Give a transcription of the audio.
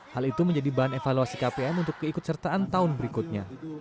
hal itu menjadi bahan evaluasi kpm untuk keikut sertaan tahun berikutnya